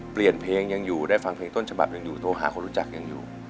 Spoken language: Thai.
เปลี่ยนเพลงยังอยู่ได้ฟังเพลงต้นฉบับยังอยู่โทรหาคนรู้จักยังอยู่